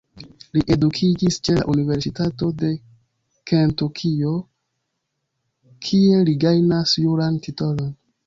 Li edukiĝis ĉe la Universitato de Kentukio kie li gajnas juran titolon.